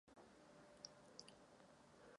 Vystudovala Dramatické centrum v Londýně.